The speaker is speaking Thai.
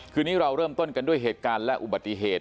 คืนนี้เราเริ่มต้นกันด้วยเหตุการณ์และอุบัติเหตุ